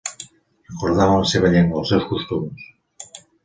Recordaven la seva llengua, els seus costums.